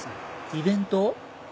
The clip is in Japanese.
イベント？